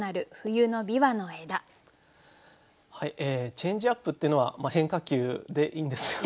「チェンジアップ」っていうのは変化球でいいんですよね？